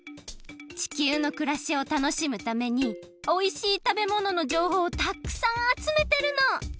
地球のくらしをたのしむためにおいしいたべもののじょうほうをたっくさんあつめてるの！